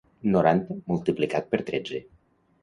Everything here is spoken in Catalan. Noranta multiplicat per tretze.